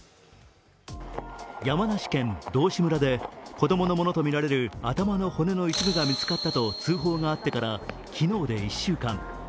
山梨県道志村で、子供のものとみられる、頭の骨の一部が見つかったと通報があってから昨日で１週間。